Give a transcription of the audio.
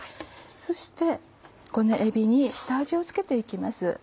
そしてこのえびに下味を付けていきます。